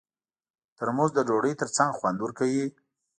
ترموز د ډوډۍ ترڅنګ خوند ورکوي.